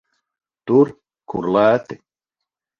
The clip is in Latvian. Tur, kur lēti.